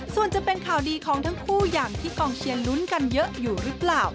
ส่วนจะเป็นข่าวดีของทั้งคู่อย่างที่กองเชียร์ลุ้นกันเยอะอยู่หรือเปล่า